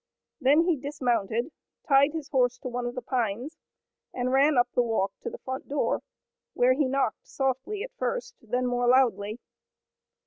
Then he dismounted, tied his horse to one of the pines, and ran up the walk to the front door, where he knocked softly at first, and then more loudly.